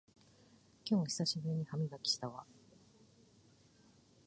今日久しぶりに歯磨きしたわ